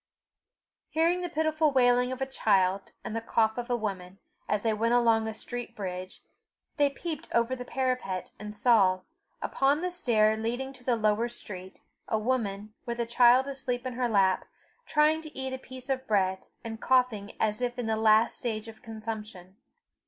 Hearing the pitiful wailing of a child and the cough of a woman, as they went along a street bridge, they peeped over the parapet, and saw, upon the stair leading to the lower street, a woman, with a child asleep in her lap, trying to eat a piece of bread, and coughing as if in the last stage of consumption.